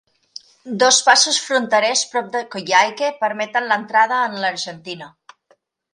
Dos passos fronterers prop de Coyhaique permeten l'entrada en l'Argentina.